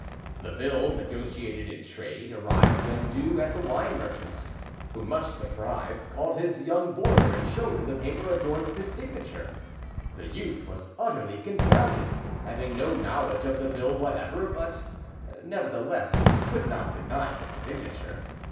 The bill, negotiated in trade, arrived when due at the wine merchant's, who, much surprised, called his young boarder and showed him the paper adorned with his signature. The youth was utterly confounded, having no knowledge of the bill whatever, but nevertheless could not deny his signature.